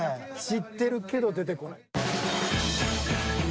知ってるけど出てこない。